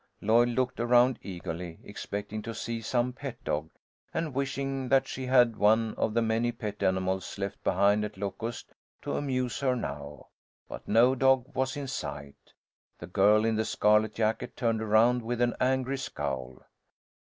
Lloyd looked around eagerly, expecting to see some pet dog, and wishing that she had one of the many pet animals left behind at Locust, to amuse her now. But no dog was in sight. The girl in the scarlet jacket turned around with an angry scowl.